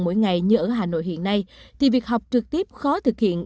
mỗi ngày như ở hà nội hiện nay thì việc học trực tiếp khó thực hiện